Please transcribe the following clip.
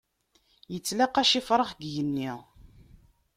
Ittlaqac ifrax, deg genni.